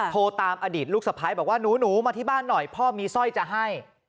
โทรตามอดีตลูกสะพ้ายบอกว่าหนูมาที่บ้านหน่อยพ่อมีสร้อยจะให้